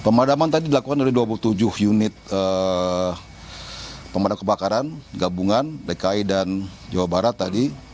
pemadaman tadi dilakukan dari dua puluh tujuh unit pemadam kebakaran gabungan dki dan jawa barat tadi